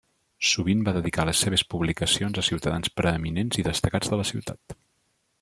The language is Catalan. Sovint va dedicar les seves publicacions a ciutadans preeminents i destacats de la ciutat.